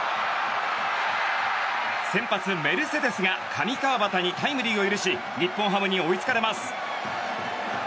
先発、メルセデスが上川畑にタイムリーを許し日本ハムに追いつかれます。